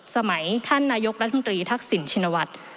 สมัยท่านนายกรัฐมนตรีทักษิณชินวัฒน์